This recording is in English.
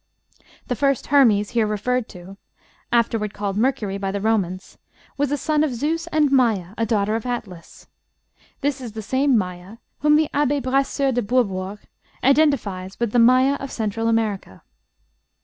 The "first Hermes," here referred to (afterward called Mercury by the Romans), was a son of Zeus and Maia, a daughter of Atlas. This is the same Maia whom the Abbé Brasseur de Bourbourg identifies with the Maya of Central America.